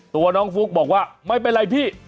ตัวน้องฟุ๊กบอกว่าไม่เป็นไรพี่